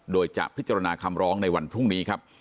โดยจะพิจารณาคำร้องในวันพรุ่งนี้ครับ